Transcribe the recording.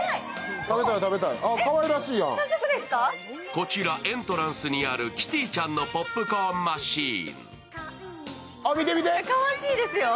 こちらエントランスにあるキティちゃんのポップコーンマシーン。